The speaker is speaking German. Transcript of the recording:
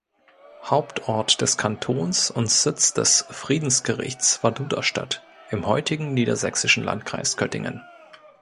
Hauptort des Kantons und Sitz des Friedensgerichts war Duderstadt im heutigen niedersächsischen Landkreis Göttingen.